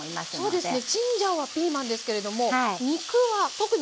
そうです。